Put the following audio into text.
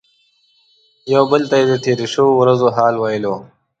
یو بل ته یې د تیرو شویو ورځو حال ویلو.